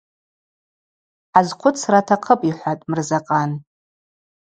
Хӏазхъвыцра атахъыпӏ,–йхӏватӏ Мырзакъан.